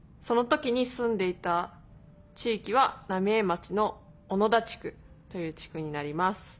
その時に住んでいた地域は浪江町の小野田地区という地区になります。